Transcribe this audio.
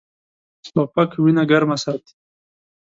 توپک وینه ګرمه ساتي.